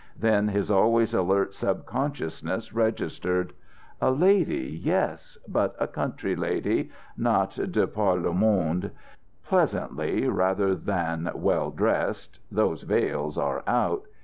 Then his always alert subconsciousness registered: "A lady, yes, but a country lady; not de par le monde. Pleasantly rather than well dressed; those veils are out."